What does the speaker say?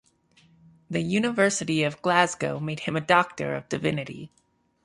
The University of Glasgow made him a Doctor of Divinity.